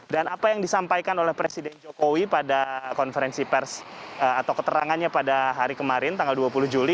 dan apa yang disampaikan oleh presiden jokowi pada konferensi pers atau keterangannya pada hari kemarin tanggal dua puluh juli